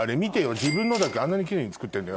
自分のだけあんなにキレイにつくってるんだよ。